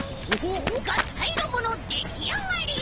がったいロボのできあがり！